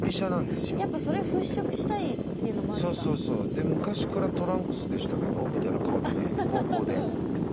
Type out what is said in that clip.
で「昔からトランクスでしたけど」みたいな顔でね高校で。